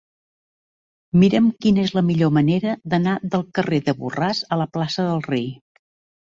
Mira'm quina és la millor manera d'anar del carrer de Borràs a la plaça del Rei.